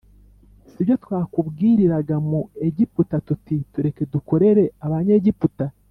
si byo twakubwiriraga mu egiputa tuti: “tureke, dukorere abanyegiputa,